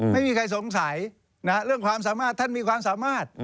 ไม่มีใครสงสัยเรื่องความสามารถท่านมีความสามารถ